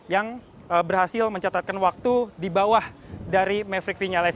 yang berhasil mencatatkan waktu di bawah dari maverick vinales